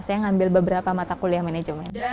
saya ngambil beberapa mata kuliah manajemen